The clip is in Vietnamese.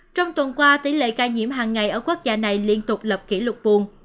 trong tuần qua tỷ lệ ca nhiễm hàng ngày ở quốc gia này liên tục lập kỷ lục buồn